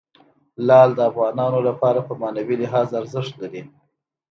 لعل د افغانانو لپاره په معنوي لحاظ ارزښت لري.